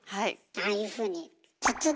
ああいうふうに筒で。